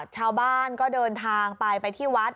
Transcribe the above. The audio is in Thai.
ชาวบ้านก็เดินทางไปไปที่วัด